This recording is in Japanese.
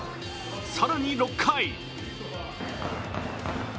更に６回。